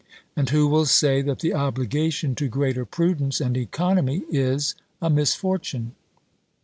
And who will say, that the obligation to greater prudence and economy is a misfortune?